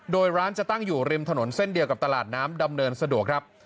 โดยร้านจะตั้งอยู่ริมถนนเส้นเดียวกับตลาดน้ำดำเนินสะดวกครับ